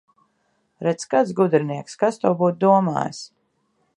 Redz, kāds gudrinieks! Kas to būtu domājis!